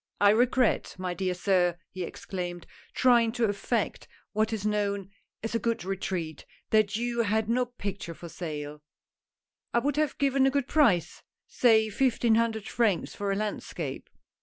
"I regret, my dear sir," he exclaimed, trying to effect what is known as a good retreat, " that you had no picture for sale: I would have given a good price — say fifteen hundred francs for a landscape."